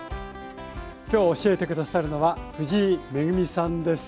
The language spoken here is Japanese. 今日教えて下さるのは藤井恵さんです。